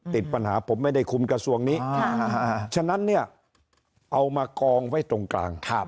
ติดปัญหาผมไม่ได้คุมกระทรวงนี้ฉะนั้นเนี่ยเอามากองไว้ตรงกลาง